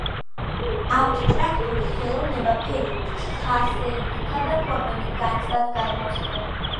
Აბსტრაქტული ხელოვნება ფერით, ხახებითა და ფორმებით განცდებს გადმოცემენ.